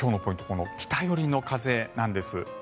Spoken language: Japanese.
この北寄りの風なんです。